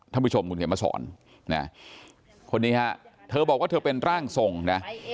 ท่านผู้ชมคุณเขียนมาสอนคนนี้ฮะเธอบอกว่าเธอเป็นร่างทรงนะ